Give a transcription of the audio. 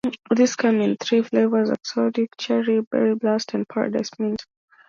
These come in three flavours: Exotic Cherry, Berry Blast, and Paradise Mint.